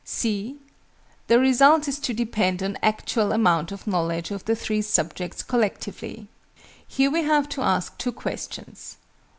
(c) The result is to depend on actual amount of knowledge of the 3 subjects collectively. Here we have to ask two questions.